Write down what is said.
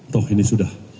toh ini sudah